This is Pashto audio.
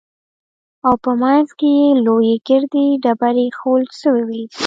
او په منځ کښې يې لويې ګردې ډبرې ايښوول سوې وې.